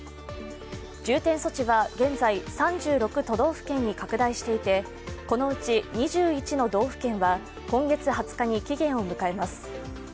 重点措置は現在、３６都道府県に拡大していてこのうち２１の道府県は今月２０日に期限を迎えます。